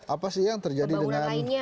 apa sih yang terjadi dengan